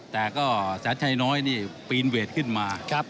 แต่ก็แสนชัยน้อยเฟรนเวทส์ขึ้นมา